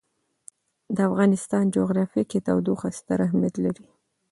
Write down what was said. د افغانستان جغرافیه کې تودوخه ستر اهمیت لري.